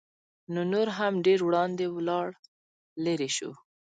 نو نور هم ډېر وړاندې ولاړ لېرې شو.